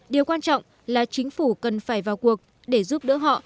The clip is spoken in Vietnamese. điều quan trọng là chính phủ cần phải vào cuộc để giúp đỡ họ